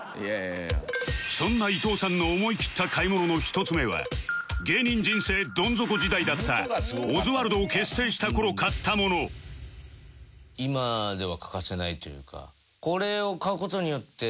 そんな伊藤さんの思い切った買い物の１つ目は芸人人生どん底時代だったオズワルドを結成した頃買ったものなんならマイナス。